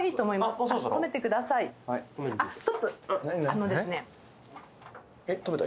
あのですね